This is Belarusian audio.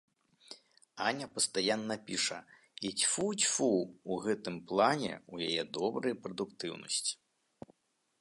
Аня пастаянна піша, і, цьфу-цьфу, у гэтым плане ў яе добрая прадуктыўнасць.